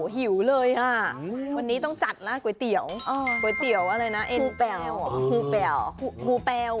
อ๋อหิวเลยฮะวันนี้ต้องจัดละก๋วยเตี๋ยวก๋วยเตี๋ยวอะไรนะผู้แปลว